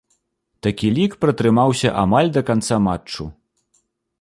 Такі лік пратрымаўся амаль да канца матчу.